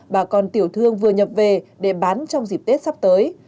bà con tiểu thương vừa nhập về để bán trong dịp tết sắp tới